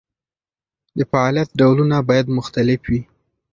د فعالیت ډولونه باید مختلف وي.